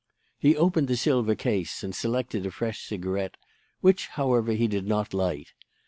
He opened the silver case and selected a fresh cigarette, which, however, he did not light.